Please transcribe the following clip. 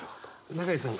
永井さん